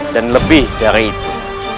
dan lebih dari itu